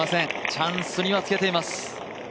チャンスにはつけています。